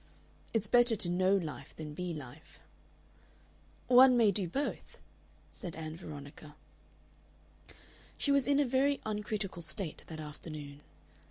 "It's better to know life than be life." "One may do both," said Ann Veronica. She was in a very uncritical state that afternoon.